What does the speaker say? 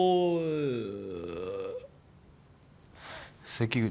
関口